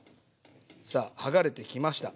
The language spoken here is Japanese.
さあはがれてきました。